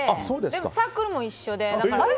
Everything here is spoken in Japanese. でも、サークルも一緒で。